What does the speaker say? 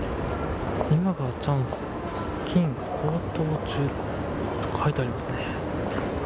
今がチャンス金高騰中と書いてありますね。